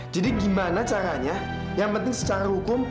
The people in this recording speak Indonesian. jadi gimana caranya yang penting secara hukum